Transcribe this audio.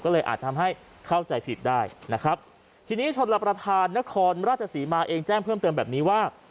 ก็เลยอาจทำให้เข้าใจผิดได้นะครับทีนี้ชนรับประทานนครราชศรีมาเองแจ้งเพิ่มเติมแบบนี้ว่า